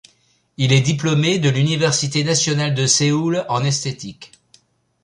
Il est diplômé de l'université nationale de Séoul en esthétique.